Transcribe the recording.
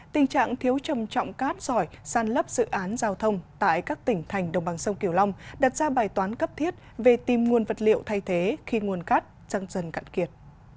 tình trạng thiếu trầm trọng cát giỏi san lấp dự án giao thông tại các tỉnh thành đồng bằng sông kiều long đặt ra bài toán cấp thiết về tìm nguồn vật liệu thay thế khi nguồn cát đang dần cạn kiệt